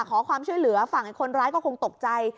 ขอความช่วยเหลือฝั่งคนร้ายก็คงตกใจ